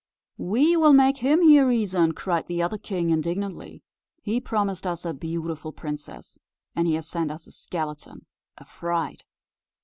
"We will make him hear reason!" cried the other king, indignantly. "He promised us a beautiful princess, and he has sent us a skeleton, a fright.